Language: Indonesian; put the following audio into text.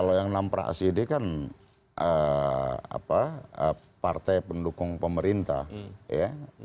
kalau yang enam praksi ini kan partai pendukung pemerintah ya